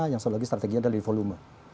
yang satu lagi strateginya adalah di volume